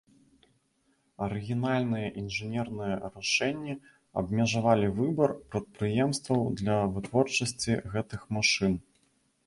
Арыгінальныя інжынерныя рашэнні абмежавалі выбар прадпрыемстваў для вытворчасці гэтых машын.